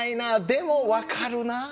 でも分かるな」。